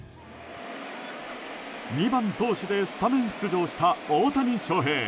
２番投手でスタメン出場した大谷翔平。